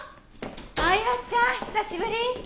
亜矢ちゃん久しぶり！